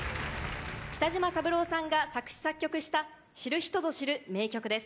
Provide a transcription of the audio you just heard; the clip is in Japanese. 北島三郎さん作詞作曲知る人ぞ知る名曲です。